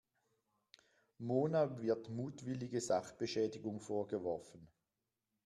Mona wird mutwillige Sachbeschädigung vorgeworfen.